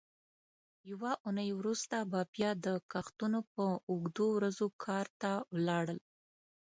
یوه اوونۍ وروسته به بیا د کښتونو په اوږدو ورځو کار ته ولاړل.